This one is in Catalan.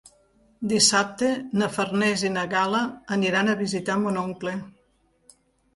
Dissabte na Farners i na Gal·la aniran a visitar mon oncle.